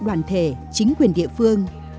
đoàn thể chính quyền địa phương